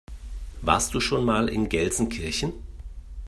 Warst du schon mal in Gelsenkirchen?